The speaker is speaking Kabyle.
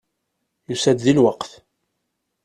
Yusa-d deg lweqt.